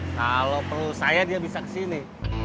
kalau perlu saya dia bisa ke sini